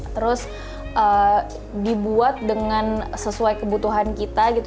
terus dibuat dengan sesuai kebutuhan kita gitu